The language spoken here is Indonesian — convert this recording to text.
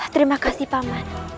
terima kasih paman